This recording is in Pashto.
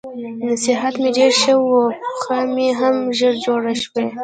صحت مې ډېر ښه و، پښې مې هم ژر جوړې شوې.